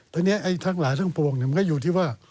ทีนี้ทั้งหลายทั้งปวงมันก็อยู่ที่ว่า